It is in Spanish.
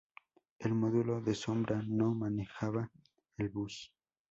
El módulo de sombra no manejaba el bus.